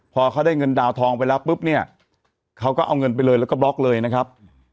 พอเขาได้เงินดาวทองไปแล้วปุ๊บเนี่ยเขาก็เอาเงินไปเลยแล้วก็บล็อกเลยนะครับ